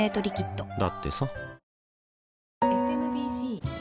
だってさ